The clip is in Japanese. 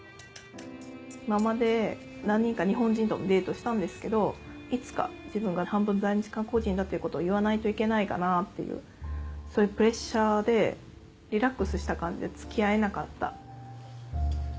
今まで何人か日本人ともデートしたんですけどいつか自分が半分在日韓国人だってことを言わないといけないかなっていうそういうプレッシャーでリラックスした感じで付き合えなかった。